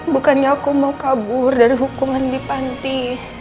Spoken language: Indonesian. bukannya aku mau kabur dari hukuman di panti